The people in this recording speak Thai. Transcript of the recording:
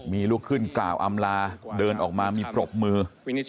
มีลูกขึ้นกล่าวอำลาเดินออกมามีปรบมือ